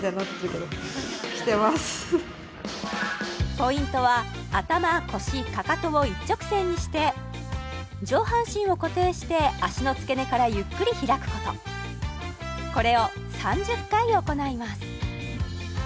ポイントは頭・腰・かかとを一直線にして上半身を固定して足の付け根からゆっくり開くことこれを３０回行います